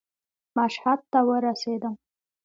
مشهد ته ورسېدم.